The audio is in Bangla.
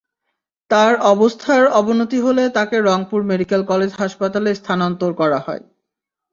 তাঁর অবস্থার অবনতি হলে তাঁকে রংপুর মেডিকেল কলেজ হাসপাতালে স্থানান্তর করা হয়।